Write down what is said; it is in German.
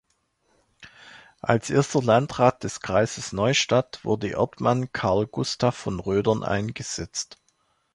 Als erster Landrat des Kreises Neustadt wurde Erdmann Carl Gustav von Rödern eingesetzt.